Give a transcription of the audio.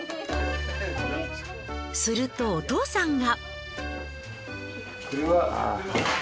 するとお父さんが。